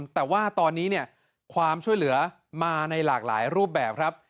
แต่ว่าตอนนี้เนี่ยความช่วยเหลือมาในหลากหลายรูปแบบครับ